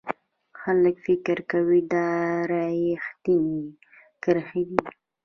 خلک فکر کوي دا ریښتینې کرښې دي.